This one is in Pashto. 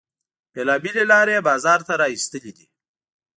بیلابیلې لارې یې بازار ته را ویستلې دي.